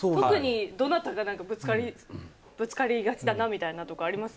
特に、どなたがぶつかりがちだなみたいなのがあります？